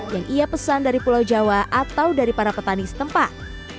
yang ia pesan dari pulau jawa atau dari para petani setempat